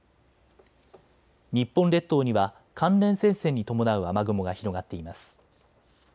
日本列島には寒冷前線に伴う雨雲が広がっています。